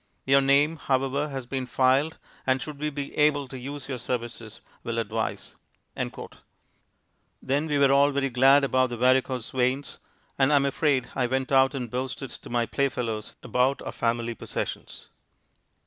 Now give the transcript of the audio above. Your name, however, has been filed and should we be able to use your services, will advise." Then we were all very glad about the varicose veins, and I am afraid I went out and boasted to my play fellows about our family possessions.